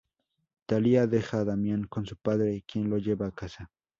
Talia deja a Damian con su padre quien lo lleva a casa.